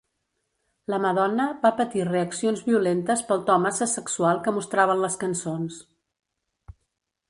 La Madonna va patir reaccions violentes pel to massa sexual que mostraven les cançons.